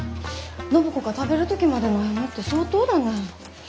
暢子が食べる時まで悩むって相当だね。